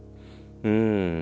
うん。